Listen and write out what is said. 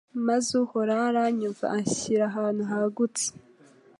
maze Uhoraho aranyumva anshyira ahantu hagutse